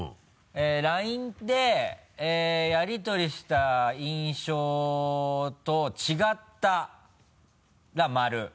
ＬＩＮＥでやりとりした印象と違ったら○。